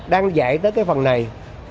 đang dạy tới cái phần này